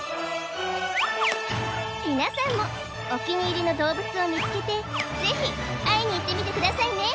皆さんもお気に入りの動物を見つけてぜひ会いに行ってみてくださいね